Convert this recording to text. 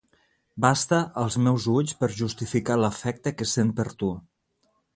Basta, als meus ulls, per justificar l'afecte que sent per tu;